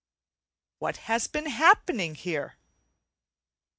What has been happening here?